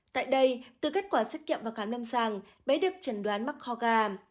tại đây từ kết quả xét kiệm và khám năm sàng mới được trần đoán mắc ho gà